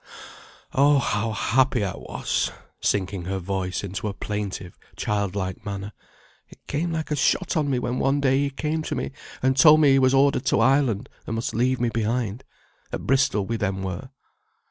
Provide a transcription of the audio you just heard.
Oh, how happy I was!" sinking her voice into a plaintive child like manner. "It came like a shot on me when one day he came to me and told me he was ordered to Ireland, and must leave me behind; at Bristol we then were."